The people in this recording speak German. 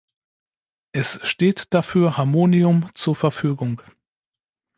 Es steht dafür Harmonium zur Verfügung.